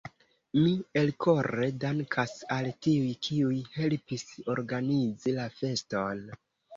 Mi elkore dankas al tiuj, kiuj helpis organizi la feston.